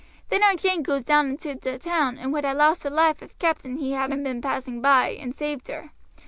Then our Jane goes down into t' town and would ha' lost her life if captain he hadn't been passing by and saaved her.